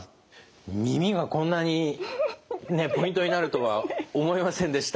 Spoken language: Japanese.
耳がこんなにポイントになるとは思いませんでした。